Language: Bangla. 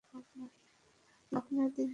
আপনার দিনটি ভালো কাটুক।